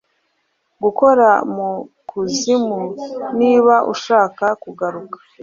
gukora mu kuzimu niba ashaka kugaruka